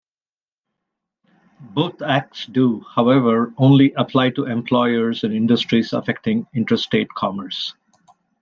Both acts do, however, only apply to employers in industries affecting interstate commerce.